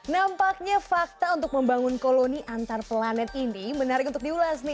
nampaknya fakta untuk membangun koloni antar planet ini menarik untuk diulas nih